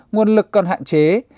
nguồn lực còn hạn chế